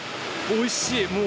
おいしい！